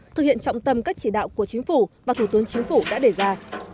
thực hiện trọng tâm các chỉ đạo của chính phủ và thủ tướng chính phủ đã đề ra